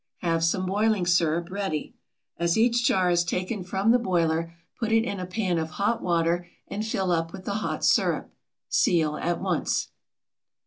Have some boiling sirup ready. As each jar is taken from the boiler put it in a pan of hot water and fill up with the hot sirup. Seal at once.